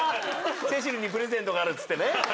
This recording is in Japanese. セシルにプレゼントがあるつってね。